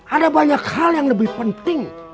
ada banyak hal yang lebih penting